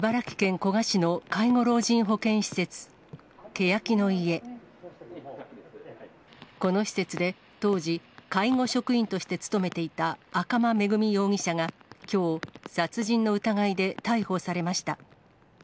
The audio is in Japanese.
この施設で当時、介護職員として勤めていた赤間恵美容疑者が、きょう、殺人の疑いで逮捕されました。